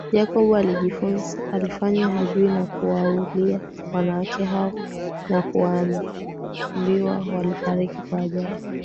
Jacob alijifanya hajui na kuwauliia wanawake hao na kuambiwa walifariki kwa ajali